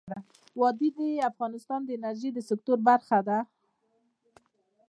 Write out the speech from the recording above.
وادي د افغانستان د انرژۍ سکتور برخه ده.